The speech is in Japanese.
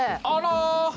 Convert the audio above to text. あら！